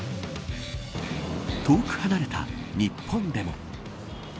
遠く離れた日本でも。